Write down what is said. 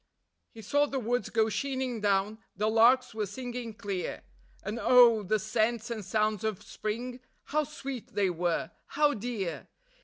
He saw the woods go sheening down; the larks were singing clear; And oh! the scents and sounds of spring, how sweet they were! how dear!